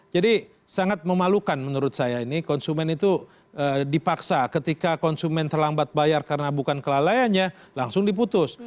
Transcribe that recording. jadi sangat memalukan menurut saya ini konsumen itu dipaksa ketika konsumen terlambat bayar karena bukan kelalaiannya langsung diputus